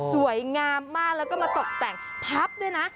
สวยงามมากแล้วก็มาตกแต่งพับด้วยนะ